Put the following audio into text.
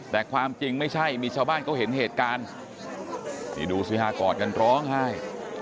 แต่ความจริงไม่ใช่มีชาวบ้านเขาเห็นเหตุการณ์นี่ดูสิฮะกอดกันร้องไห้